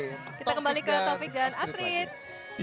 kita kembali ke topik dan astrid